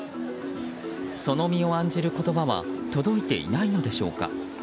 その身を案じる言葉は届いていないのでしょうか。